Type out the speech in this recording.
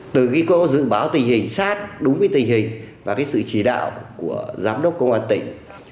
từ khi có dự báo tình hình sát đúng với tình hình và sự chỉ đạo của giám đốc công an tỉnh